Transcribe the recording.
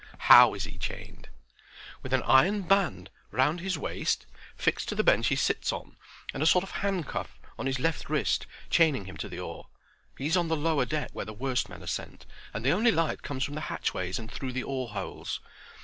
"How is he chained?" "With an iron band round his waist fixed to the bench he sits on, and a sort of handcuff on his left wrist chaining him to the oar. He's on the lower deck where the worst men are sent, and the only light comes from the hatchways and through the oar holes.